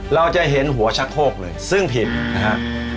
เราจะเห็นหัวชักโคกเลยซึ่งผิดนะครับ